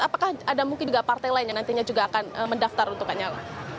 apakah ada mungkin juga partai lain yang nantinya juga akan mendaftar untuk lanyala